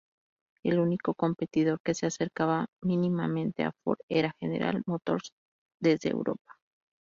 El único competidor que se acercaba mínimamente a Ford era General Motors desde Europa.